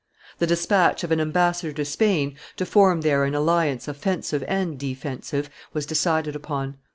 The despatch of an ambassador to Spain, to form there an alliance offensive and defensive, was decided upon.